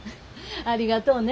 ありがとうね。